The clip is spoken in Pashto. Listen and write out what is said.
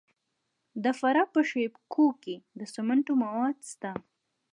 د فراه په شیب کوه کې د سمنټو مواد شته.